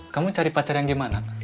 kamu cari pacar yang gimana